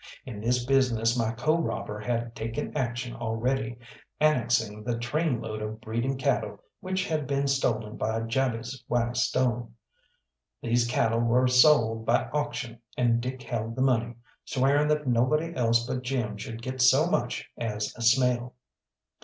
In this business my co robber had taken action already, annexing the trainload of breeding cattle which had been stolen by Jabez Y. Stone. These cattle were sold by auction, and Dick held the money, swearing that nobody else but Jim should get so much as a smell.